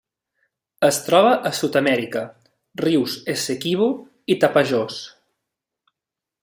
Es troba a Sud-amèrica: rius Essequibo i Tapajós.